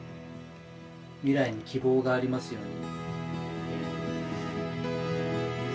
未来に希望がありますように！